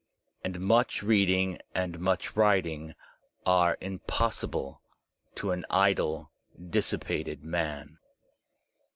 And much reading and much writing are impossible to an idle, dissipated man.